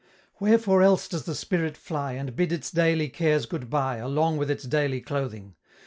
Wherefore else does the Spirit fly And bid its daily cares good bye, Along with its daily clothing?